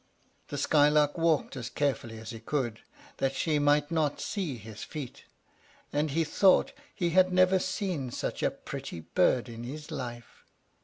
The Skylark walked as carefully as he could, that she might not see his feet; and he thought he had never seen such a pretty bird in his life.